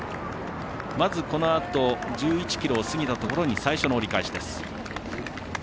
まず、このあと１１ｋｍを過ぎたところに最初の折り返しです。